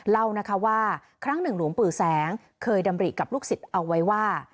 เล่านะคะว่าครั้งหนึ่งหลวงปู่แสงเคยดำริกับลูกศิษย์เอาไว้ว่า